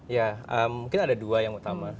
ya mungkin ada dua yang utama